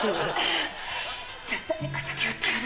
絶対に敵を討ってやる。